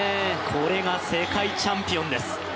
これが世界チャンピオンです。